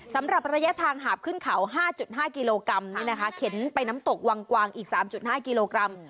สำหรับระยะทางหาบขึ้นเขา๕๕กิโลกรัมเข็นไปน้ำตกวังกวางอีก๓๕กิโลกรัม